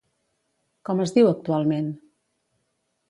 Com es diu actualment?